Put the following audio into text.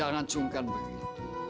jangan sungkan begitu